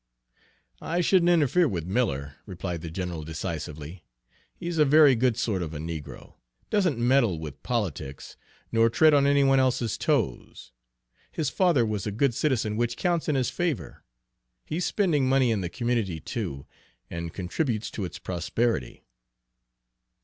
"I shouldn't interfere with Miller," replied the general decisively. "He's a very good sort of a negro, doesn't meddle with politics, nor tread on any one else's toes. His father was a good citizen, which counts in his favor. He's spending money in the community too, and contributes to its prosperity."